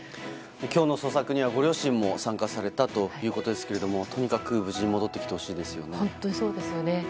今日の捜索にはご両親も参加されたということですけれどもとにかく無事に戻ってきてほしいですよね。